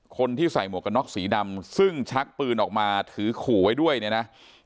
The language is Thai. คนที่ใส่หมวกกันน็อกสีดำซึ่งชักปืนออกมาถือขู่ไว้ด้วยเนี่ยนะ